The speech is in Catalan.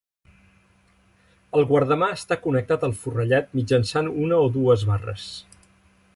El guardamà està connectat al forrellat mitjançant una o dues barres.